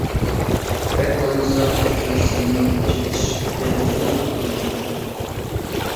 بەك بولمىسا ئۇچۇر سىمىنىڭ چېتىش ئېغىزىنى ئالماشتۇرۇڭ!